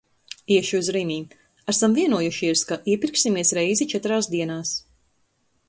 Iešu uz Rimi. Esam vienojušies, ka iepirksimies reizi četrās dienās.